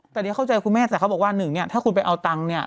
แต่นี่เข้าใจคุณแม่แต่เขาบอกว่าหนึ่งเนี่ยถ้าคุณไปเอาตังค์เนี่ย